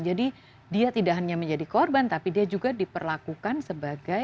jadi dia tidak hanya menjadi korban tapi dia juga diperlakukan sebagai